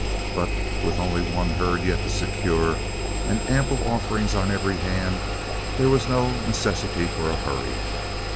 But with only one herd yet to secure, and ample offerings on every hand, there was no necessity for a hurry.